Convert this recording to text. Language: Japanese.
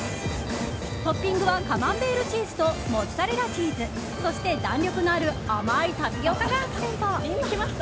トッピングはカマンベールチーズとモッツァレラチーズそして、弾力のある甘いタピオカがアクセント。